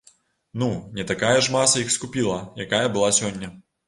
Ну, не тая ж маса іх скупіла, якая была сёння?